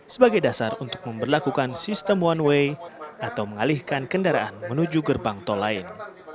sebagai dasar untuk memperlakukan sistem one way atau mengalihkan kendaraan menuju gerbang tol lain